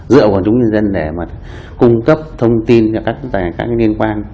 dựa quần chúng nhân dân để cung cấp thông tin về các nguyên quan